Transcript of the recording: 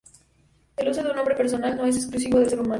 El uso de un nombre personal no es exclusivo del ser humano.